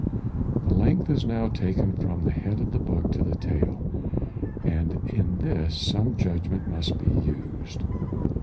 The length is now taken from the head of the book to the tail, and in this some judgment must be used.